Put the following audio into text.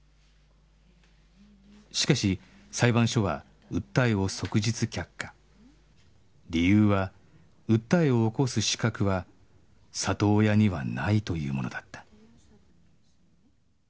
しかし裁判所は訴えを即日却下理由は訴えを起こす資格は里親にはないというものだった